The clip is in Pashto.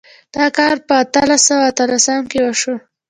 دا کار په کال اتلس سوه اتلسم کې وشو.